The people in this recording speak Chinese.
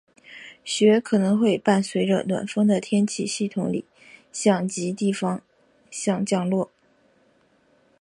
雪可能会伴随着暖锋的天气系统里向极地方向降落。